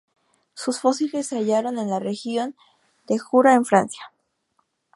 Sus fósiles se hallaron en la región de Jura en Francia.